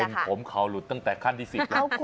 เป็นผมเข่าหลุดตั้งแต่ขั้นที่๑๐แล้ว